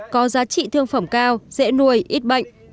có giá trị thương phẩm cao dễ nuôi ít bệnh